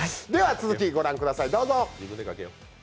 続きを御覧ください。